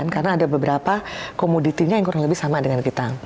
karena ada beberapa komoditinya yang kurang lebih sama dengan kita